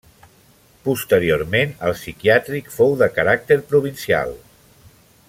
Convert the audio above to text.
Posteriorment, el psiquiàtric fou de caràcter provincial.